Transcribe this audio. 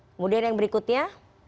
kemudian yang berikutnya